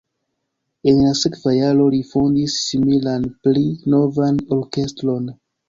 En la sekva jaro li fondis similan, pli novan orkestron.